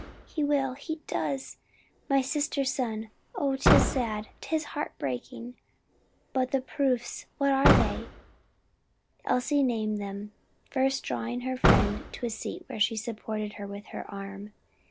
"He will! he does! My sister's son! oh tis sad, 'tis heart breaking! But the proofs: what are they?" Elsie named them; first drawing her friend to a seat where she supported her with her arm.